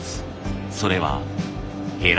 それはヘラ絞り。